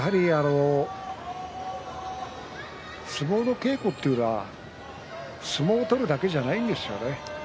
相撲の稽古というのは相撲を取るだけではないんですよね。